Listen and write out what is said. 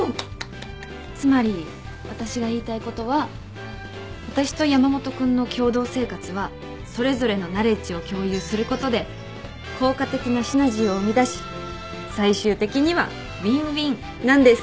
つまり私が言いたいことは私と山本君の共同生活はそれぞれのナレッジを共有することで効果的なシナジーを生み出し最終的にはウィンウィンなんです。